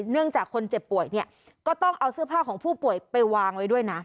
เนื่องจากคนเจ็บป่วยเนี่ยก็ต้องเอาเสื้อผ้าของผู้ป่วยไปวางไว้ด้วยนะ